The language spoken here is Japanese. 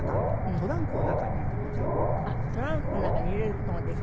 トランクの中に入れる事ができる。